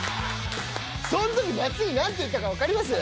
そんとき松兄何て言ったか分かります？